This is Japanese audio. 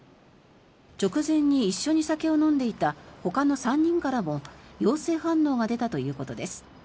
直前に一緒に酒を飲んでいたほかの３人からも陽性反応が出たということです。